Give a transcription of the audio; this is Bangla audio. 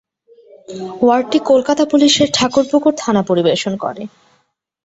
ওয়ার্ডটি কলকাতা পুলিশের ঠাকুরপুকুর থানা পরিবেশন করে।